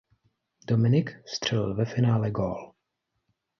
Dominic vstřelil ve finále gól.